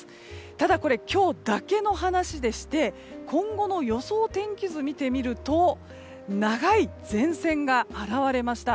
ただ、これは今日だけの話でして今後の予想天気図を見てみると長い前線が現れました。